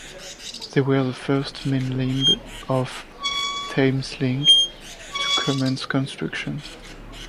They were the first main limb of Thameslink to commence construction.